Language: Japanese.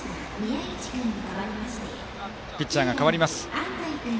ピッチャーが代わります。